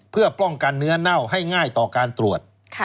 เพื่อป้องกันเนื้อเน่าให้ง่ายต่อการตรวจ